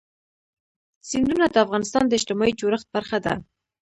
سیندونه د افغانستان د اجتماعي جوړښت برخه ده.